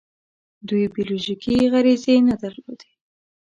دوی بیولوژیکي غریزې نه درلودې.